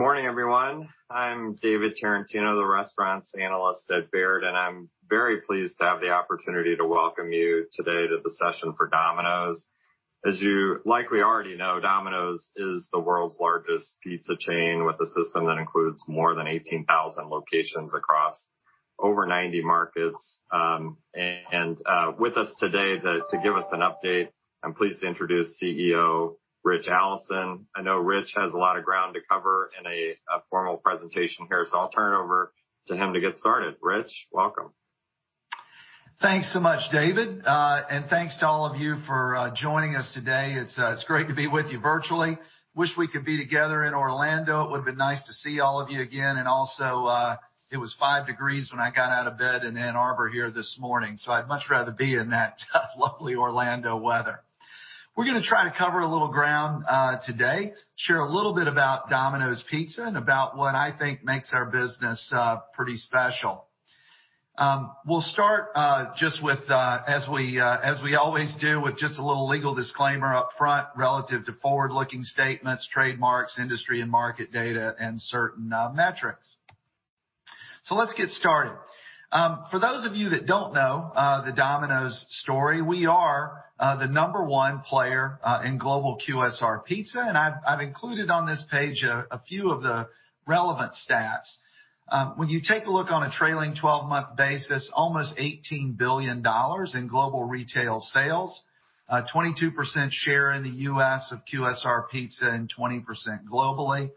Good morning, everyone. I'm David Tarantino, the restaurants analyst at Baird, and I'm very pleased to have the opportunity to welcome you today to the session for Domino's. As you know, Domino's is the world's largest pizza chain with a system that includes more than 18,000 locations across over 90 markets. With us today to give us an update, I'm pleased to introduce CEO Ritch Allison. I know Ritch has a lot of ground to cover in a formal presentation here, so I'll turn it over to him to get started. Ritch, welcome. Thanks so much, David. Thanks to all of you for joining us today. It's great to be with you virtually. Wish we could be together in Orlando. It would have been nice to see all of you again, and also, it was five degrees when I got out of bed in Ann Arbor here this morning, so I'd much rather be in that lovely Orlando weather. We're gonna try to cover a little ground today, share a little bit about Domino's Pizza and about what I think makes our business pretty special. We'll start just with, as we always do, with just a little legal disclaimer up front relative to forward-looking statements, trademarks, industry and market data, and certain metrics. Let's get started. For those of you that don't know the Domino's story, we are the number one player in global QSR pizza, and I've included on this page a few of the relevant stats. When you take a look on a trailing 12-month basis, almost $18 billion in global retail sales, 22% share in the U.S. of QSR pizza and 20% globally.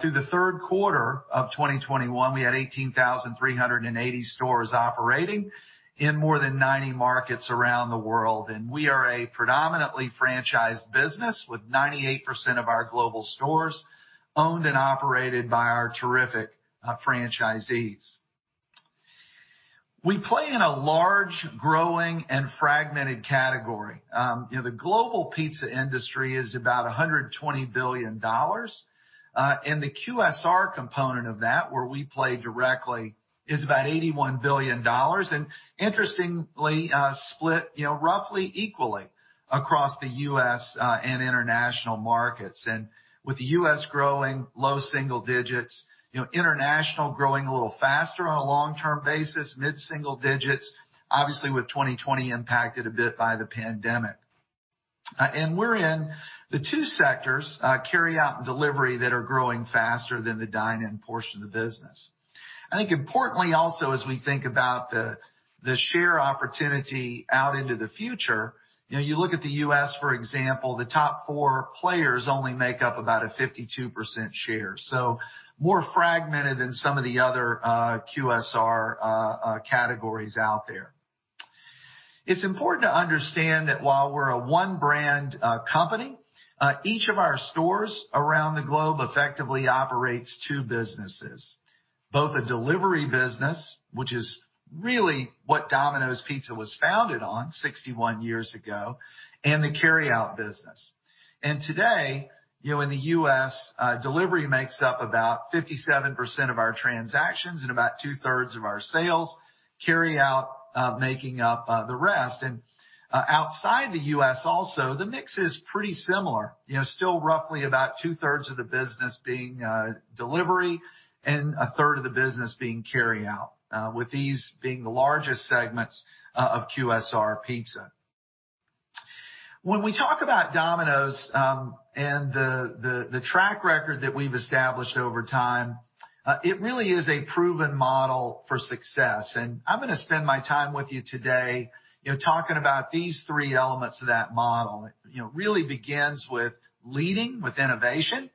Through the third quarter of 2021, we had 18,380 stores operating in more than 90 markets around the world. We are a predominantly franchised business with 98% of our global stores owned and operated by our terrific franchisees. We play in a large, growing, and fragmented category. You know, the global pizza industry is about $120 billion. The QSR component of that, where we play directly, is about $81 billion. Interestingly, split, you know, roughly equally across the U.S. and international markets. With the U.S. growing low single digits, you know, international growing a little faster on a long-term basis, mid-single digits, obviously with 2020 impacted a bit by the pandemic. We're in the two sectors, carryout and delivery, that are growing faster than the dine-in portion of the business. I think importantly also, as we think about the share opportunity out into the future, you know, you look at the U.S., for example, the top four players only make up about a 52% share. More fragmented than some of the other QSR categories out there. It's important to understand that while we're a one brand company, each of our stores around the globe effectively operates two businesses, both a delivery business, which is really what Domino's Pizza was founded on 61 years ago, and the carryout business. Today, you know, in the U.S., delivery makes up about 57% of our transactions and about 2/3 of our sales, carryout making up the rest. Outside the U.S. also, the mix is pretty similar. You know, still roughly about 2/3 of the business being delivery and 1/3 of the business being carryout, with these being the largest segments of QSR pizza. When we talk about Domino's, and the track record that we've established over time, it really is a proven model for success. I'm gonna spend my time with you today, you know, talking about these three elements of that model. You know, really begins with leading with innovation,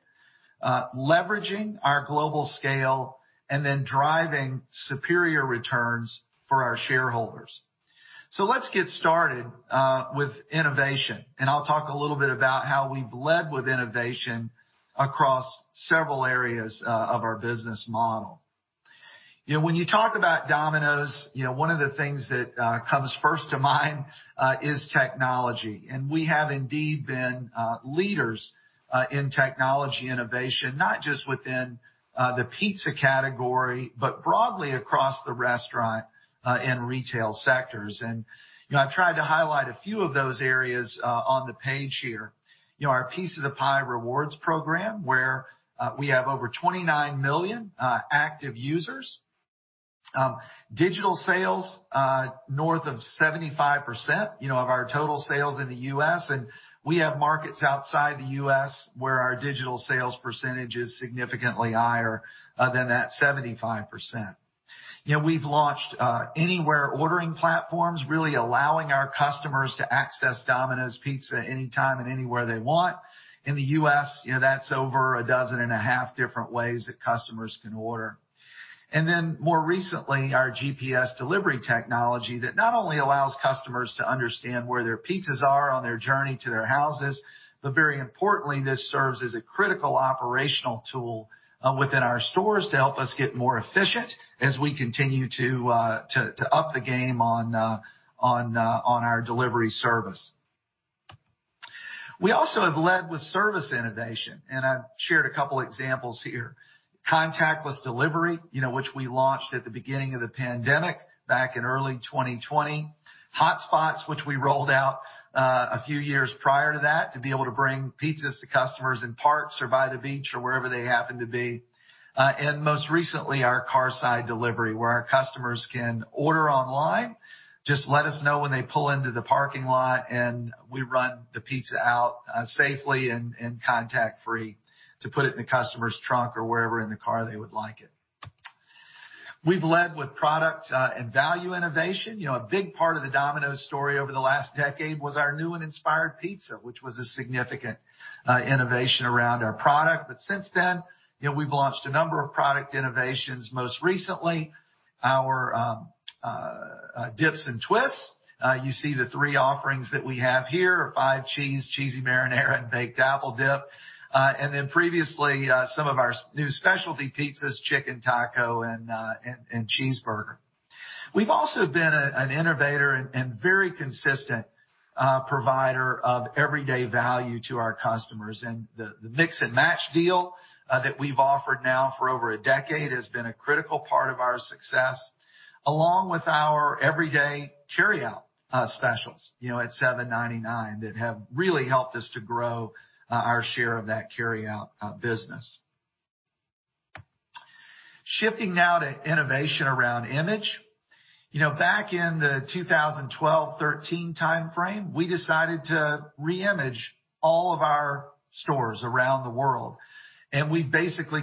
leveraging our global scale, and then driving superior returns for our shareholders. Let's get started with innovation, and I'll talk a little bit about how we've led with innovation across several areas of our business model. You know, when you talk about Domino's, you know, one of the things that comes first to mind is technology. We have indeed been leaders in technology innovation, not just within the pizza category, but broadly across the restaurant and retail sectors. You know, I've tried to highlight a few of those areas on the page here. You know, our Piece of the Pie Rewards program, where we have over 29 million active users. Digital sales north of 75%, you know, of our total sales in the U.S., and we have markets outside the U.S. where our digital sales percentage is significantly higher than that 75%. You know, we've launched AnyWare ordering platforms, really allowing our customers to access Domino's Pizza anytime and anywhere they want. In the U.S., you know, that's over 18 different ways that customers can order. Then more recently, our GPS delivery technology that not only allows customers to understand where their pizzas are on their journey to their houses, but very importantly, this serves as a critical operational tool within our stores to help us get more efficient as we continue to up the game on our delivery service. We also have led with service innovation, and I've shared a couple examples here. Contactless delivery, you know, which we launched at the beginning of the pandemic back in early 2020. Hotspots, which we rolled out a few years prior to that to be able to bring pizzas to customers in parks or by the beach or wherever they happen to be. Most recently, our Carside Delivery, where our customers can order online, just let us know when they pull into the parking lot, and we run the pizza out safely and contact-free to put it in the customer's trunk or wherever in the car they would like it. We've led with product and value innovation. You know, a big part of the Domino's story over the last decade was our new and inspired pizza, which was a significant innovation around our product. Since then, you know, we've launched a number of product innovations, most recently our Dips and Twists. You see the three offerings that we have here are Five Cheese, Cheesy Marinara, and Baked Apple Dip. Previously, some of our new specialty pizzas, Chicken Taco and Cheeseburger. We've also been an innovator and very consistent provider of everyday value to our customers. The Mix and Match deal that we've offered now for over a decade has been a critical part of our success, along with our everyday carry out specials, you know, at $7.99 that have really helped us to grow our share of that carry out business. Shifting now to innovation around image. You know, back in the 2012-2013 timeframe, we decided to re-image all of our stores around the world, and we basically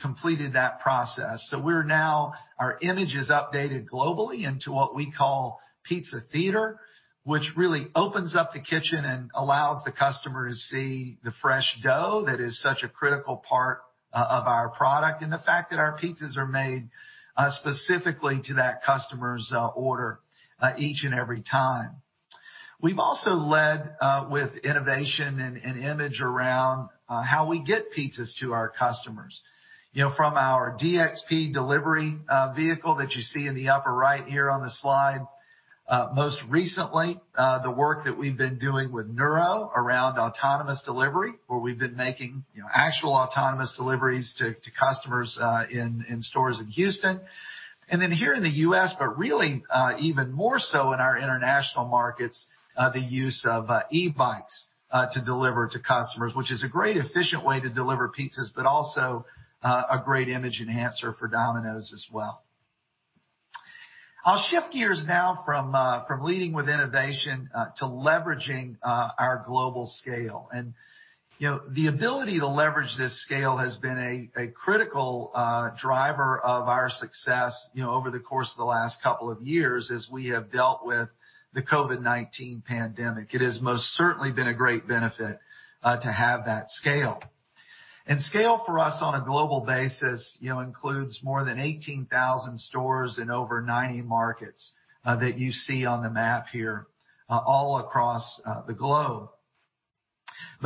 completed that process. Our image is updated globally into what we call pizza theater, which really opens up the kitchen and allows the customer to see the fresh dough that is such a critical part of our product and the fact that our pizzas are made specifically to that customer's order each and every time. We've also led with innovation and image around how we get pizzas to our customers. You know, from our DXP delivery vehicle that you see in the upper right here on the slide. Most recently, the work that we've been doing with Nuro around autonomous delivery, where we've been making actual autonomous deliveries to customers in stores in Houston. Then here in the U.S., but really even more so in our international markets, the use of e-bikes to deliver to customers, which is a great efficient way to deliver pizzas, but also a great image enhancer for Domino's as well. I'll shift gears now from leading with innovation to leveraging our global scale. You know, the ability to leverage this scale has been a critical driver of our success, you know, over the course of the last couple of years as we have dealt with the COVID-19 pandemic. It has most certainly been a great benefit to have that scale. Scale for us on a global basis, you know, includes more than 18,000 stores in over 90 markets that you see on the map here all across the globe.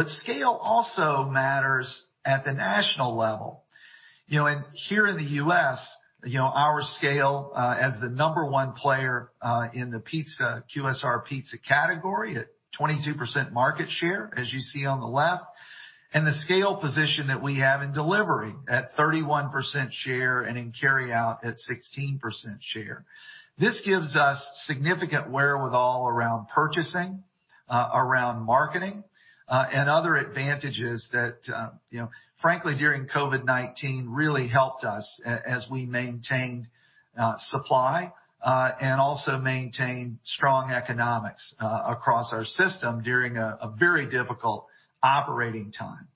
Scale also matters at the national level. You know, and here in the U.S., you know, our scale as the number one player in the pizza QSR pizza category at 22% market share, as you see on the left, and the scale position that we have in delivery at 31% share and in carry out at 16% share. This gives us significant wherewithal around purchasing, around marketing, and other advantages that, you know, frankly, during COVID-19 really helped us as we maintained supply and also maintained strong economics across our system during a very difficult operating time.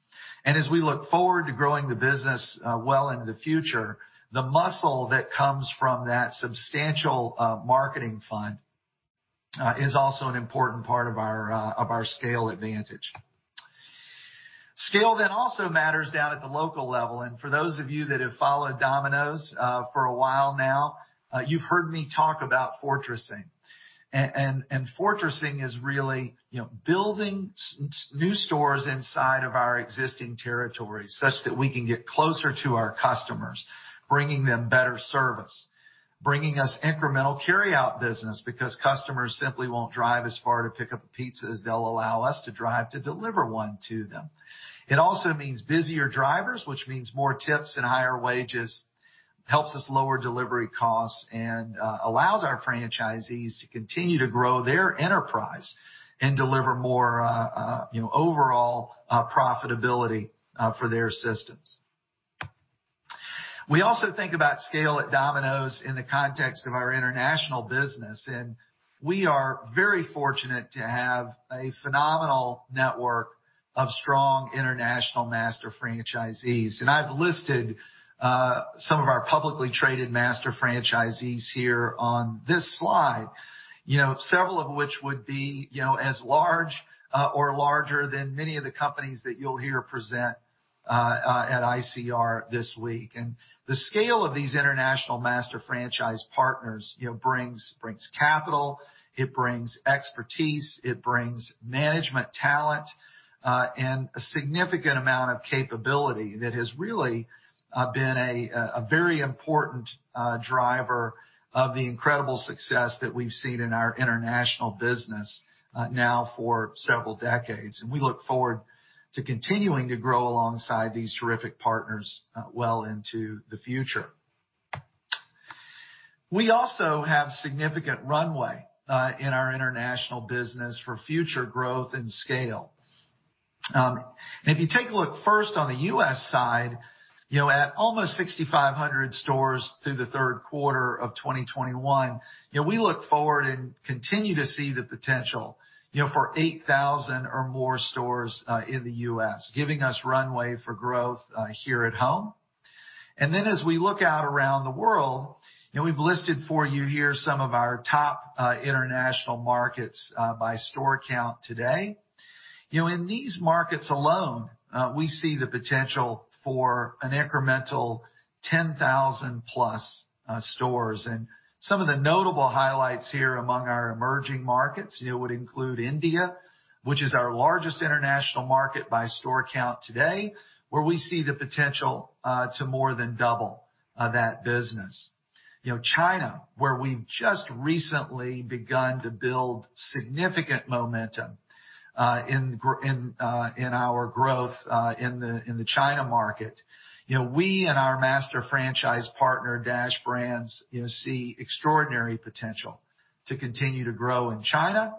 As we look forward to growing the business, well into the future, the muscle that comes from that substantial marketing fund is also an important part of our scale advantage. Scale also matters down at the local level. For those of you that have followed Domino's for a while now, you've heard me talk about fortressing. Fortressing is really, you know, building new stores inside of our existing territory such that we can get closer to our customers, bringing them better service, bringing us incremental carry out business because customers simply won't drive as far to pick up a pizza as they'll allow us to drive to deliver one to them. It also means busier drivers, which means more tips and higher wages, helps us lower delivery costs and allows our franchisees to continue to grow their enterprise and deliver more, you know, overall profitability for their systems. We also think about scale at Domino's in the context of our international business, and we are very fortunate to have a phenomenal network of strong international master franchisees. I've listed some of our publicly traded master franchisees here on this slide. You know, several of which would be, you know, as large or larger than many of the companies that you'll hear present at ICR this week. The scale of these international master franchise partners brings capital, it brings expertise, it brings management talent and a significant amount of capability that has really been a very important driver of the incredible success that we've seen in our international business now for several decades. We look forward to continuing to grow alongside these terrific partners, well into the future. We also have significant runway in our international business for future growth and scale. If you take a look first on the U.S. side, you know, at almost 6,500 stores through the third quarter of 2021, you know, we look forward and continue to see the potential, you know, for 8,000 or more stores in the U.S., giving us runway for growth here at home. Then as we look out around the world, you know, we've listed for you here some of our top international markets by store count today. You know, in these markets alone, we see the potential for an incremental 10,000+ stores. Some of the notable highlights here among our emerging markets, you know, would include India, which is our largest international market by store count today, where we see the potential to more than double that business. You know, China, where we've just recently begun to build significant momentum in our growth in the China market. You know, we and our master franchise partner, Dash Brands, you know, see extraordinary potential to continue to grow in China.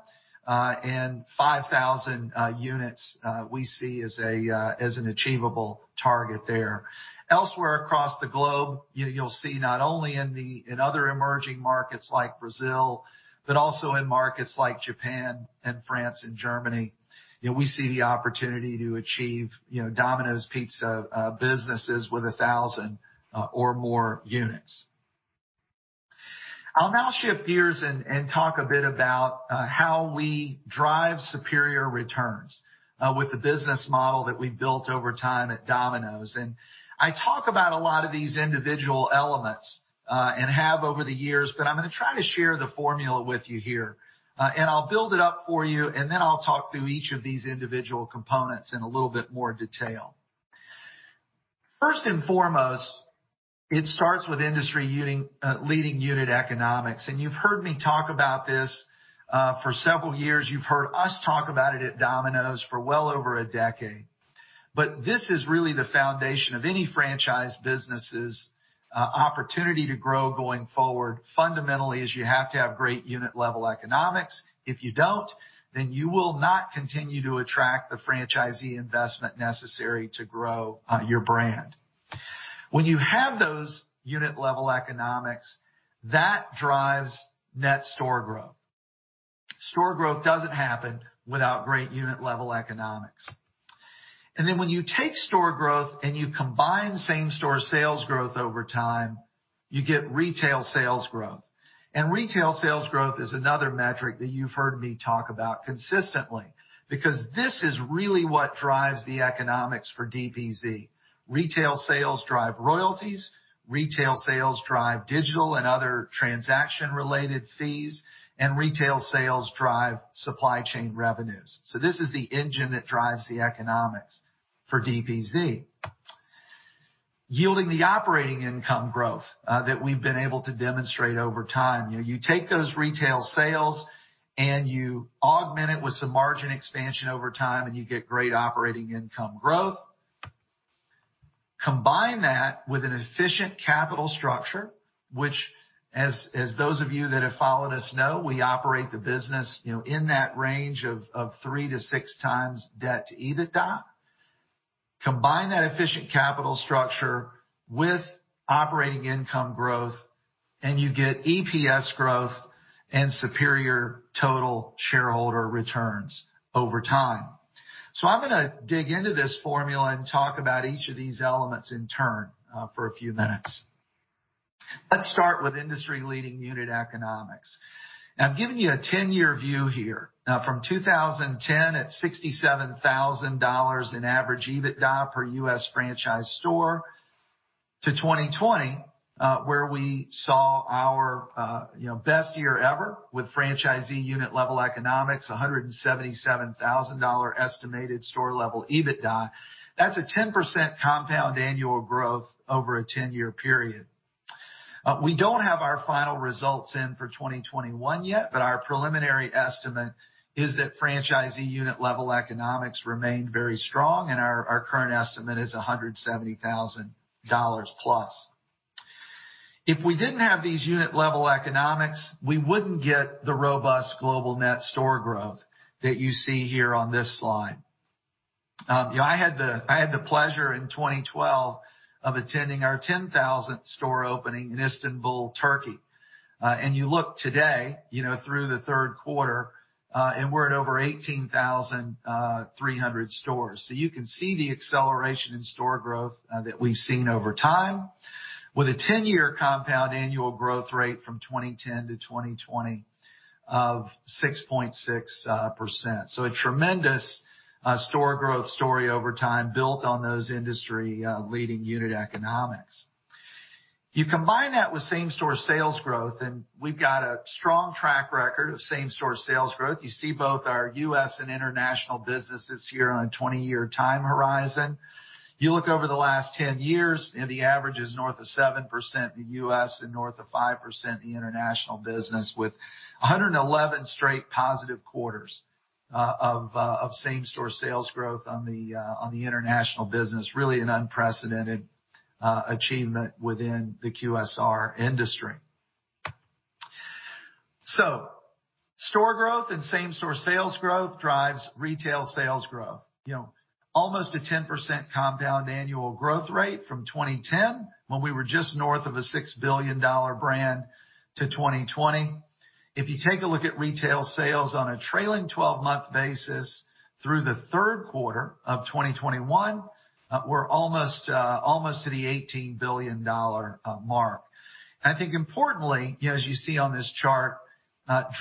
5,000 units we see as an achievable target there. Elsewhere across the globe, you'll see not only in other emerging markets like Brazil, but also in markets like Japan and France and Germany, you know, we see the opportunity to achieve, you know, Domino's Pizza businesses with 1,000 or more units. I'll now shift gears and talk a bit about how we drive superior returns with the business model that we built over time at Domino's. I talk about a lot of these individual elements and have over the years, but I'm gonna try to share the formula with you here. I'll build it up for you, and then I'll talk through each of these individual components in a little bit more detail. First and foremost, it starts with industry unit leading unit economics. You've heard me talk about this for several years. You've heard us talk about it at Domino's for well over a decade. This is really the foundation of any franchise business' opportunity to grow going forward, fundamentally, is you have to have great unit level economics. If you don't, then you will not continue to attract the franchisee investment necessary to grow, your brand. When you have those unit level economics, that drives net store growth. Store growth doesn't happen without great unit level economics. Then when you take store growth and you combine same-store sales growth over time, you get retail sales growth. Retail sales growth is another metric that you've heard me talk about consistently, because this is really what drives the economics for DPZ. Retail sales drive royalties, retail sales drive digital and other transaction-related fees, and retail sales drive supply chain revenues. This is the engine that drives the economics for DPZ, yielding the operating income growth that we've been able to demonstrate over time. You know, you take those retail sales and you augment it with some margin expansion over time, and you get great operating income growth. Combine that with an efficient capital structure, which, as those of you that have followed us know, we operate the business, you know, in that range of 3x-6x debt to EBITDA. Combine that efficient capital structure with operating income growth and you get EPS growth and superior total shareholder returns over time. I'm gonna dig into this formula and talk about each of these elements in turn for a few minutes. Let's start with industry-leading unit economics. Now, I'm giving you a 10-year view here, from 2010 at $67,000 in average EBITDA per U.S. franchise store to 2020, where we saw our, you know, best year ever with franchisee unit level economics, $177,000 estimated store level EBITDA. That's a 10% compound annual growth over a 10-year period. We don't have our final results in for 2021 yet, but our preliminary estimate is that franchisee unit level economics remained very strong, and our current estimate is $170,000+. If we didn't have these unit level economics, we wouldn't get the robust global net store growth that you see here on this slide. You know, I had the pleasure in 2012 of attending our 10,000th store opening in Istanbul, Turkey. You look today, you know, through the third quarter, and we're at over 18,300 stores. You can see the acceleration in store growth that we've seen over time with a 10-year compound annual growth rate from 2010 to 2020 of 6.6%. A tremendous store growth story over time built on those industry leading unit economics. You combine that with same-store sales growth, and we've got a strong track record of same-store sales growth. You see both our U.S. and international businesses here on a 20-year time horizon. You look over the last 10 years, you know, the average is north of 7% in the U.S. and north of 5% in the international business, with 111 straight positive quarters of same-store sales growth on the international business, really an unprecedented achievement within the QSR industry. Store growth and same-store sales growth drives retail sales growth. You know, almost a 10% compound annual growth rate from 2010, when we were just north of a $6 billion brand to 2020. If you take a look at retail sales on a trailing 12-month basis through the third quarter of 2021, we're almost to the $18 billion mark. I think importantly, you know, as you see on this chart,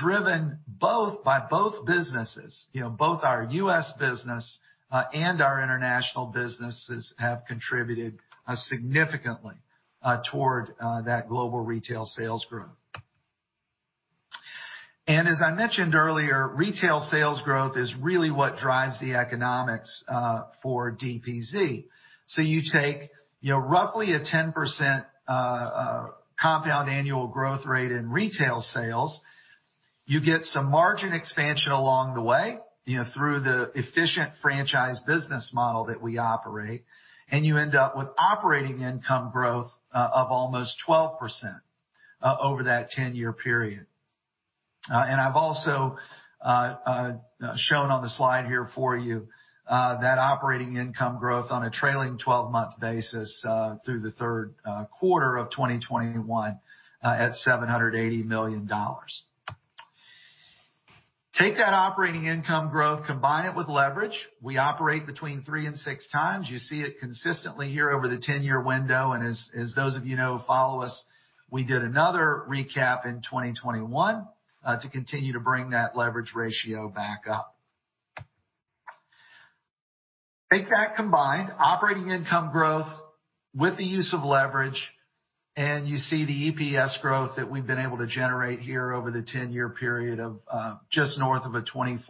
driven by both businesses, you know, both our U.S. business and our international businesses have contributed significantly toward that global retail sales growth. As I mentioned earlier, retail sales growth is really what drives the economics for DPZ. You take, you know, roughly a 10% compound annual growth rate in retail sales. You get some margin expansion along the way, you know, through the efficient franchise business model that we operate, and you end up with operating income growth of almost 12% over that 10-year period. I've also shown on the slide here for you that operating income growth on a trailing 12-month basis through the third quarter of 2021 at $780 million. Take that operating income growth, combine it with leverage. We operate between 3x and 6x. You see it consistently here over the 10-year window. As those of you know who follow us, we did another recap in 2021 to continue to bring that leverage ratio back up. Take that combined operating income growth with the use of leverage, and you see the EPS growth that we've been able to generate here over the 10-year period of just north of 24%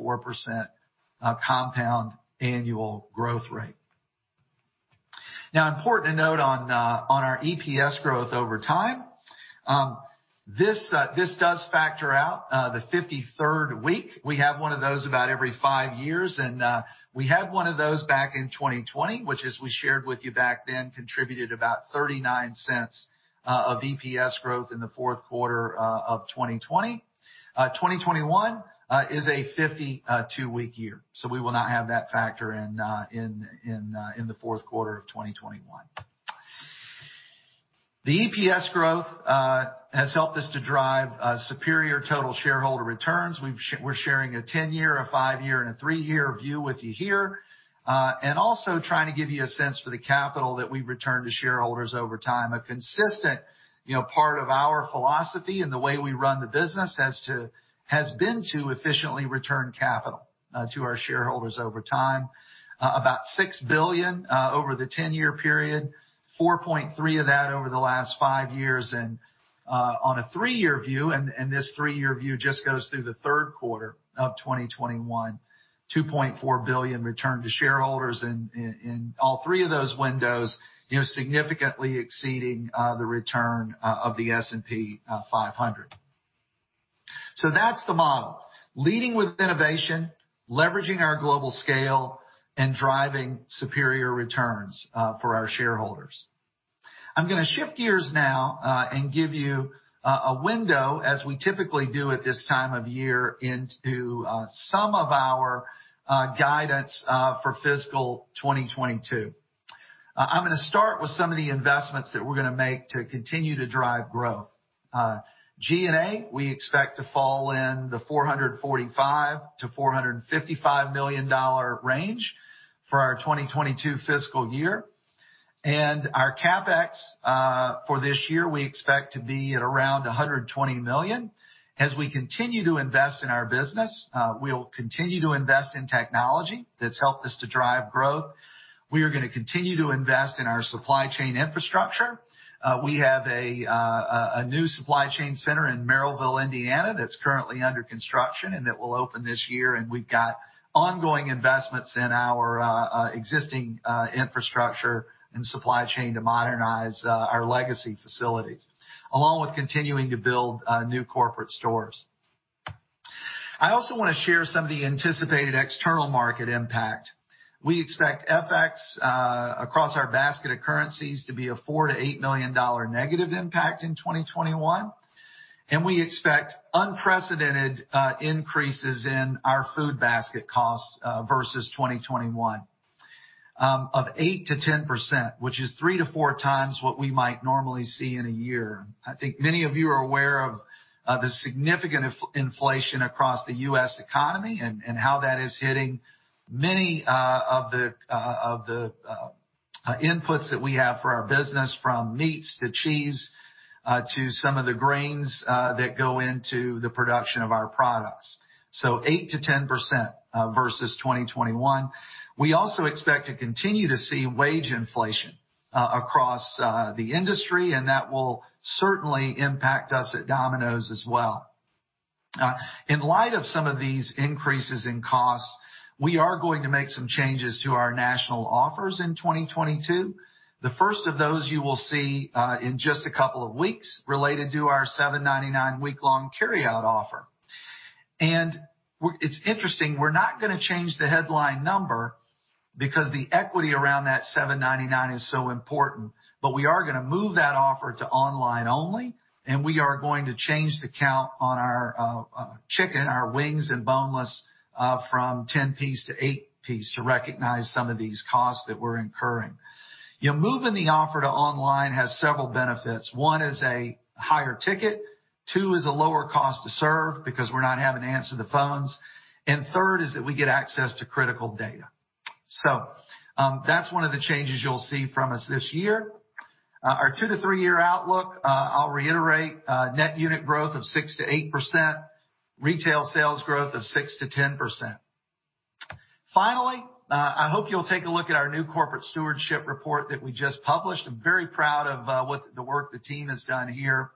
compound annual growth rate. Now, important to note on our EPS growth over time, this does factor out the 53rd week. We have one of those about every five years, and we had one of those back in 2020, which, as we shared with you back then, contributed about $0.39 of EPS growth in the fourth quarter of 2020. 2021 is a 52-week year, so we will not have that factor in the fourth quarter of 2021. The EPS growth has helped us to drive superior total shareholder returns. We're sharing a 10-year, a five-year, and a three-year view with you here. And also trying to give you a sense for the capital that we've returned to shareholders over time. A consistent, you know, part of our philosophy and the way we run the business has been to efficiently return capital to our shareholders over time. About $6 billion over the 10-year period, $4.3 billion of that over the last five years. On a three-year view, this three-year view just goes through the third quarter of 2021, $2.4 billion returned to shareholders in all three of those windows, you know, significantly exceeding the return of the S&P 500. That's the model. Leading with innovation, leveraging our global scale, and driving superior returns for our shareholders. I'm gonna shift gears now and give you a window, as we typically do at this time of year, into some of our guidance for fiscal 2022. I'm gonna start with some of the investments that we're gonna make to continue to drive growth. G&A, we expect to fall in the $445 million-$455 million range for our 2022 fiscal year. Our CapEx for this year, we expect to be at around $120 million. As we continue to invest in our business, we'll continue to invest in technology that's helped us to drive growth. We are gonna continue to invest in our supply chain infrastructure. We have a new supply chain center in Merrillville, Indiana, that's currently under construction and that will open this year. We've got ongoing investments in our existing infrastructure and supply chain to modernize our legacy facilities, along with continuing to build new corporate stores. I also wanna share some of the anticipated external market impact. We expect FX across our basket of currencies to be a $4 million-$8 million negative impact in 2021. We expect unprecedented increases in our food basket cost versus 2021 of 8%-10%, which is three-four times what we might normally see in a year. I think many of you are aware of the significant inflation across the U.S. economy and how that is hitting many of the inputs that we have for our business, from meats to cheese to some of the grains that go into the production of our products. Eight to 10% versus 2021. We also expect to continue to see wage inflation across the industry, and that will certainly impact us at Domino's as well. In light of some of these increases in costs, we are going to make some changes to our national offers in 2022. The first of those you will see in just a couple of weeks related to our $7.99 weeklong carryout offer. It's interesting, we're not gonna change the headline number because the equity around that $7.99 is so important. We are gonna move that offer to online only, and we are going to change the count on our chicken, our wings, and boneless from 10-piece to 8-piece to recognize some of these costs that we're incurring. You know, moving the offer to online has several benefits. One is a higher ticket. Two is a lower cost to serve because we're not having to answer the phones. Third is that we get access to critical data. That's one of the changes you'll see from us this year. Our two-three year outlook, I'll reiterate, net unit growth of 6%-8%, retail sales growth of 6%-10%. Finally, I hope you'll take a look at our new corporate stewardship report that we just published. I'm very proud of what the work the team has done here.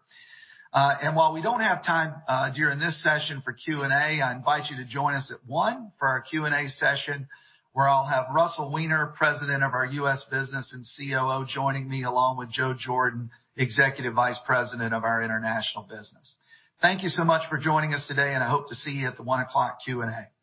While we don't have time during this session for Q&A, I invite you to join us at 1 for our Q&A session, where I'll have Russell Weiner, President of our U.S. business and COO, joining me, along with Joe Jordan, Executive Vice President of our international business. Thank you so much for joining us today, and I hope to see you at the 1 o'clock Q&A.